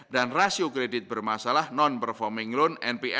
dan rasio kredit bermasalah non performing loan